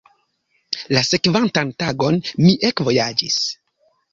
La sekvantan tagon mi ekvojaĝis.